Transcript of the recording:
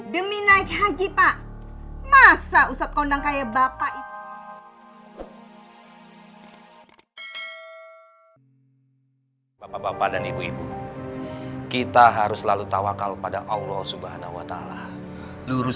demi naik haji pak masa usat kondang kayak bapak itu